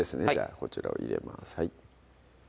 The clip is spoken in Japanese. こちらを入れます